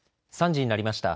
３時になりました。